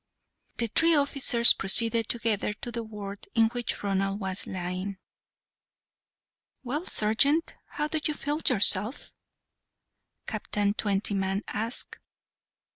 The three officers proceeded together to the ward in which Ronald was lying. "Well, sergeant, how do you feel yourself?" Captain Twentyman asked.